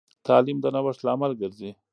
تعلیم د نوښت لامل ګرځي.